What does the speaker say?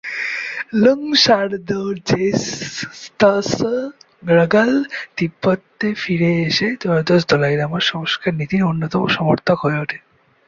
লুং-শার-র্দো-র্জে-ম্ত্শো-র্গ্যাল তিব্বতে ফিরে এসে ত্রয়োদশ দলাই লামার সংস্কার নীতির অন্যতম সমর্থক হয়ে ওঠেন।